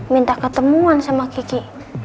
minta ketemuan sama kiki